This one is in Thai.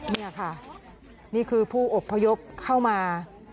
นี่ค่ะนี่คือผู้อบพยพเข้ามา